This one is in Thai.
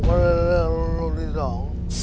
ผมก็เลยเลือกรูปที่สอง